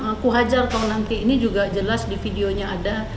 aku hajar toh nanti ini juga jelas di videonya ada